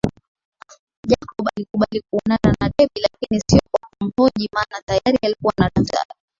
Jacob alikubali kuonana na Debby lakini sio kwa kumhoji mana tayari alikuwa na daftari